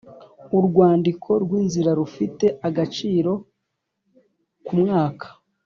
urwandiko rw inzira rufite agaciro kumwaka